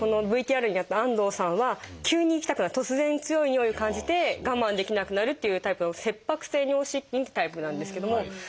このＶＴＲにあった安藤さんは急に行きたくなる突然強い尿意を感じて我慢できなくなるっていうタイプの「切迫性尿失禁」っていうタイプなんですけども。